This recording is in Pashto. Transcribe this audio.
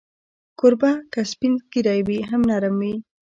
کوربه که سپین ږیری وي، هم نرم وي.